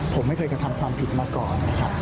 ผมไม่เคยทำความผิดมาก่อน